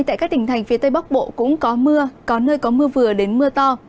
tại các tỉnh thành phía tây bắc bộ cũng có mưa có nơi có mưa vừa đến mưa to